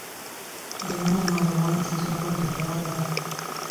د نورو ناروغانو تجربه ګټوره ده.